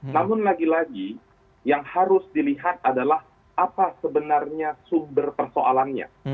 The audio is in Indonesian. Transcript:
namun lagi lagi yang harus dilihat adalah apa sebenarnya sumber persoalannya